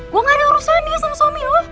gue gak ada urusan ya sama suami lo